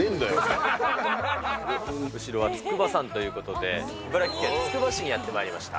後ろは筑波山ということで、茨城県つくば市にやってまいりました。